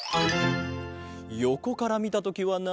よこからみたときはな